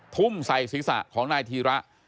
ทุ่มใส่ศีรษะของนายธีระ